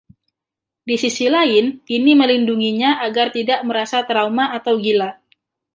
Di sisi lain, ini melindunginya agar tidak merasa trauma atau gila.